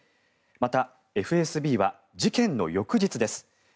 また、ＦＳＢは事件の翌日です。